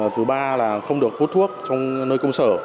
thứ ba là không được hút thuốc trong nơi công sở